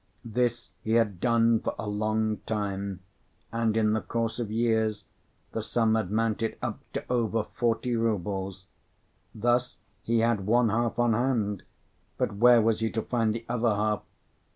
This he had done for a long time, and in the course of years, the sum had mounted up to over forty rubles. Thus he had one half on hand; but where was he to find the other half?